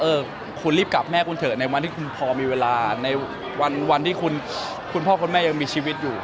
เออคุณรีบกลับแม่คุณเถอะในวันที่คุณพอมีเวลาในวันที่คุณพ่อคุณแม่ยังมีชีวิตอยู่